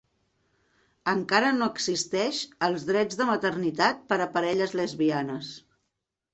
Encara no existeix els drets de maternitat per a parelles lesbianes.